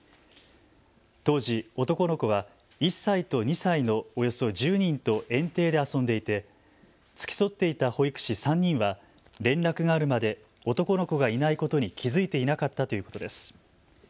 当時、男の子は１歳と２歳のおよそ１０人と園庭で遊んでいて付き添っていた保育士３人は連絡があるまで男の子がいないことに気付いていなかったということです。